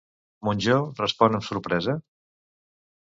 Monjó respon amb sorpresa?